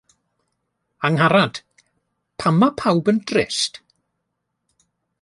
Angharad, pam mae pawb yn drist